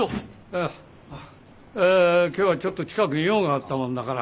ああ今日はちょっと近くに用があったもんだから。